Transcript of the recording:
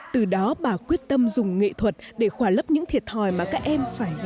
từ đó bà quyết tâm dùng nghệ thuật để khỏa lấp những thiệt thòi mà các em phải gánh chịu